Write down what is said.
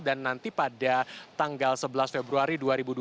dan nanti pada tanggal sebelas februari